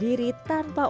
dan ini terjadi